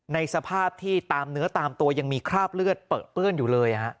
ในสภาพที่ตามเนื้อตามตัวยังมีคราบเลือดเปลือเปื้อนอยู่เลย